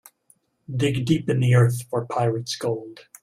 Dig deep in the earth for pirate's gold.